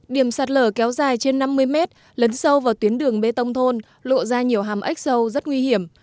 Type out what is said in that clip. điểm sạt lở kéo dài trên năm mươi mét lấn sâu vào tuyến đường bê tông thôn lộ ra nhiều hàm ếch sâu rất nguy hiểm